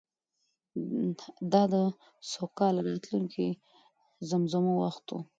دا د سوکاله راتلونکې د زمزمو وخت و.